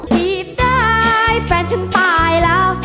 หนีบได้แฟนฉันตายแล้ว